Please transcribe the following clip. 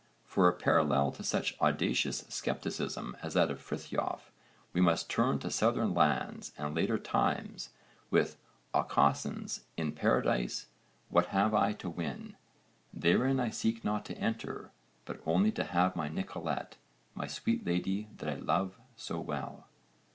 For a parallel to such audacious scepticism as that of Friþjof we must turn to southern lands and later times with Aucassin's 'In Paradise what have I to win? Therein I seek not to enter, but only to have my Nicolete, my sweet lady that I love so well.'